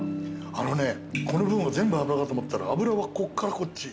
あのねこの部分全部脂だと思ったら脂はこっからこっち。